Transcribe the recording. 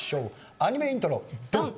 アニメイントロドン！